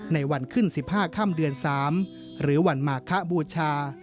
ในวันขึ้น๑๕ค่ำเดือน๓หรือวันมาคะบูชา